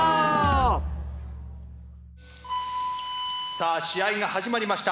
さあ試合が始まりました。